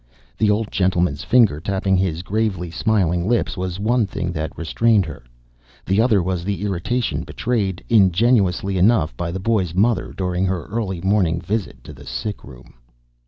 The old gentleman's finger tapping his gravely smiling lips was one thing that restrained her; the other was the irritation betrayed, ingenuously enough, by the boy's mother during her early morning visit to the sickroom.